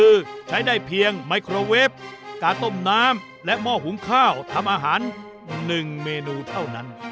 คือใช้ได้เพียงไมโครเวฟกาต้มน้ำและหม้อหุงข้าวทำอาหาร๑เมนูเท่านั้น